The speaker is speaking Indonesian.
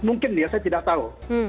mungkin ya saya tidak tahu